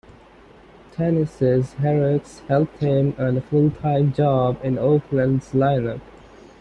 Tenace's heroics helped him earn a full-time job in Oakland's lineup.